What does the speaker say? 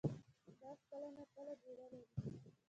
باز کله نا کله جوړه لري